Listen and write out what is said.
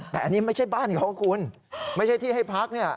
แต่อันนี้ไม่ใช่บ้านเขาคุณไม่ใช่ที่ให้พักเนี่ย